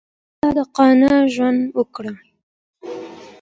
صادقانه ژوند وکړئ.